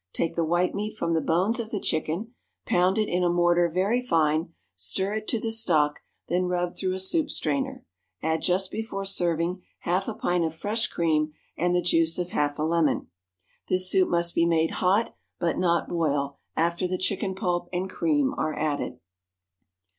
Take the white meat from the bones of the chicken, pound it in a mortar very fine, stir it to the stock, then rub through a soup strainer; add just before serving half a pint of fresh cream and the juice of half a lemon. This soup must be made hot, but not boil, after the chicken pulp and cream are added.